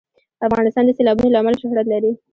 افغانستان د سیلابونه له امله شهرت لري.